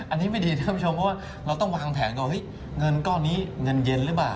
อันนี้ไม่ดีท่านผู้ชมเพราะว่าเราต้องวางแผนก่อนเฮ้ยเงินก้อนนี้เงินเย็นหรือเปล่า